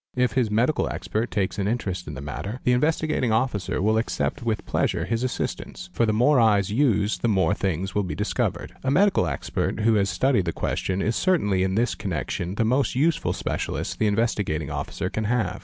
If his medical expert takes an interest in the matter, the — Investigating Officer will accept with pleasure his assistance. For the — more eyes used the more things will be discovered. A medical expert who has studied the question is certainly in this connection the most — useful specialist the Investigating Officer can have.